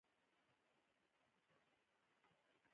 د هند ځیني مشران غواړي اتحاد کې شامل شي.